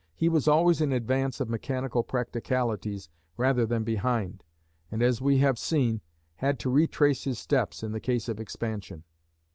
He was always in advance of mechanical practicalities rather than behind, and as we have seen, had to retrace his steps, in the case of expansion.